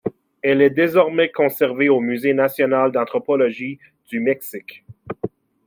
Elle est désormais conservée au musée national d'anthropologie du Mexique.